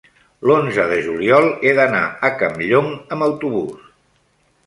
l'onze de juliol he d'anar a Campllong amb autobús.